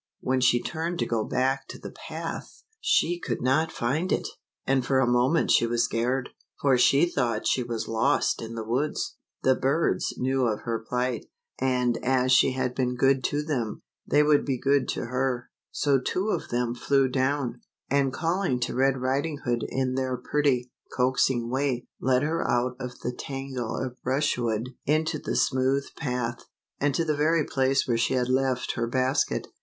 when she turned to go back to the path LITTLE RED RIDING HOOD . she could not find it, and for a moment she was scared, for she thought she was lost in the woods. The birds knew of her plight, and as she had been good to them, they would be good to her; so two of them flew down, and calling to Red Riding Hood in their pretty, coaxing way, led her out of the tangle of brush wood into LITTLE RED RIDING HOOD. the smooth path, and to the very place where she had left her basket.